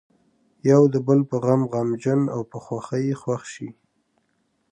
یو د بل په غم غمجن او په خوښۍ یې خوښ شي.